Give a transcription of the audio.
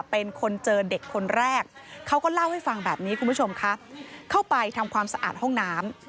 เป็นคนเจอเด็กคนแรกเขาก็เล่าให้ฟังแบบนี้คุณผู้ชมค่ะเข้าไปทำความสะอาดห้องน้ำ